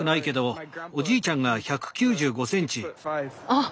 あっ。